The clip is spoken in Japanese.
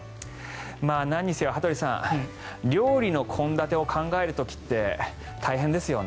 なんにせよ、羽鳥さん料理の献立を考える時って大変ですよね。